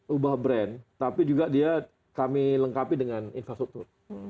ubah brand tapi juga dia kami lengkapi dengan infrastruktur